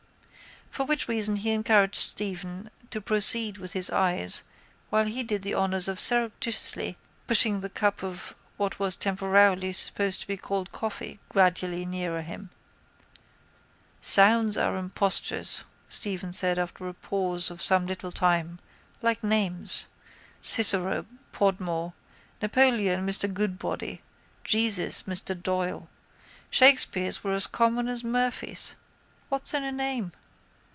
For which reason he encouraged Stephen to proceed with his eyes while he did the honours by surreptitiously pushing the cup of what was temporarily supposed to be called coffee gradually nearer him. —Sounds are impostures, Stephen said after a pause of some little time, like names. Cicero, Podmore, Napoleon, Mr Goodbody. Jesus, Mr Doyle. Shakespeares were as common as Murphies. What's in a name?